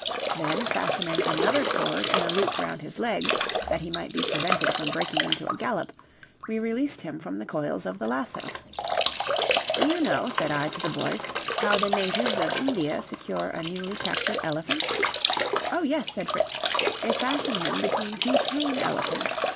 Then, fastening another cord in a loop round his legs that he might be prevented from breaking into a gallop, we released him from the coils of the lasso. "Do you know," said I to the boys, "how the natives of India secure a newly captured elephant?" "Oh, yes!" said Fritz; "they fasten him between two tame elephants.